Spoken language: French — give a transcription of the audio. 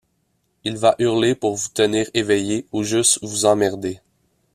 Il va hurler pour vous tenir éveillé ou juste vous emmerder.